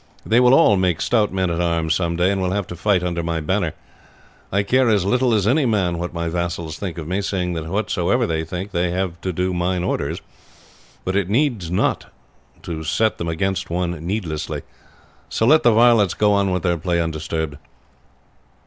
"They will all make stout men at arms some day, and will have to fight under my banner. I care as little as any man what my vassals think of me, seeing that whatsoever they think they have to do mine orders. But it needs not to set them against one needlessly; so let the varlets go on with their play undisturbed."